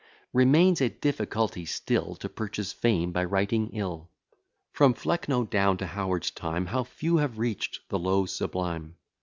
Remains a difficulty still, To purchase fame by writing ill. From Flecknoe down to Howard's time, How few have reach'd the low sublime!